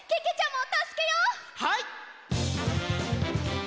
はい！